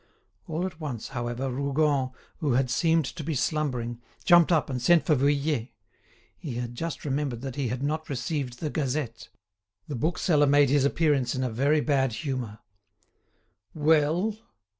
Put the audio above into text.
All at once, however, Rougon, who had seemed to be slumbering, jumped up, and sent for Vuillet. He had just remembered that he had not received the "Gazette." The bookseller made his appearance in a very bad humour. "Well!"